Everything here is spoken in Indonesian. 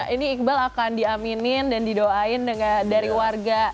ini iqbal akan diaminin dan didoain dari warga